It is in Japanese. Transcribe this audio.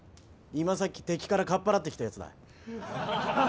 今さっき敵からかっぱらってきたヤツだ。